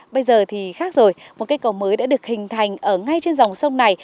bây giờ thì khác rồi một cây cầu mới đã được hình thành ở ngay trên dòng sông này